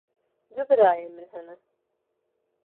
Du birayên min hene.